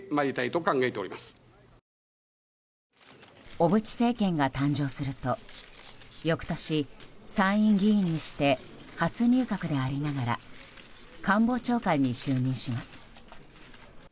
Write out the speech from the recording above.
小渕政権が誕生すると翌年、参院議員にして初入閣でありながら官房長官に就任します。